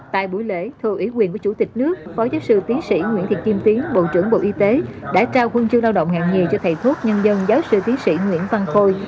tại buổi lễ thưa ủy quyền của chủ tịch nước phó giáo sư tiến sĩ nguyễn thị kim tiến bộ trưởng bộ y tế đã trao huân chương lao động hạng nhì cho thầy thuốc nhân dân giáo sư tiến sĩ nguyễn văn khôi